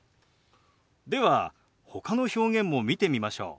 ではほかの表現も見てみましょう。